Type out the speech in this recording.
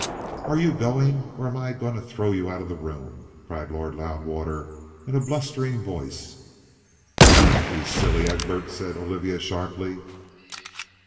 "Are you going? Or am I to throw you out of the room?" cried Lord Loudwater in a blustering voice. "Don't be silly, Egbert!" said Olivia sharply.